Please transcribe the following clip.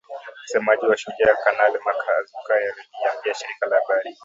Msemaji wa Shujaa Kanali Mak Hazukay aliliambia shirika la habari